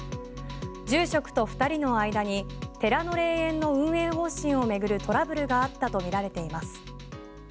住職と２人の間に寺の霊園の運営方針を巡るトラブルがあったとみられています。